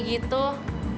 gak kenapa kenapa kok